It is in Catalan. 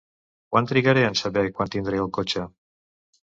Quan trigaré en saber quan tindré el cotxe?